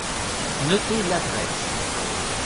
Notez l’adresse.